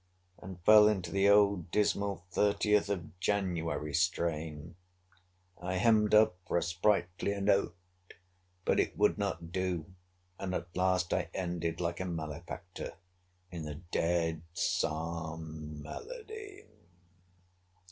And fell into the old dismal thirtieth of January strain; I hemmed up for a sprightlier note; but it would not do; and at last I ended, like a malefactor, in a dead psalm melody.